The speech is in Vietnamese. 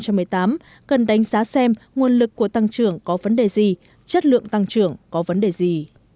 cần đánh giá xem nguồn lực của tăng trưởng có vấn đề gì chất lượng tăng trưởng có vấn đề gì